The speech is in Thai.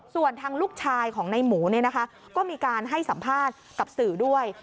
ส่วนทางลูกชายของในหมูก็มีการให้สัมภาษณ์กับสื่อด้วย